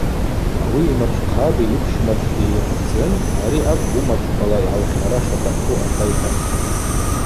Ауи ймачвхъаби йыпщмачвкӏи йырпӏцӏын: – Ари акӏвпӏ уымачвквала йгӏаухьара шатахъу, – атайхӏвахтӏ.